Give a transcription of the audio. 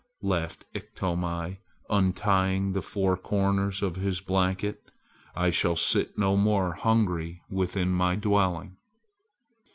laughed Iktomi, untying the four corners of his blanket, "I shall sit no more hungry within my dwelling."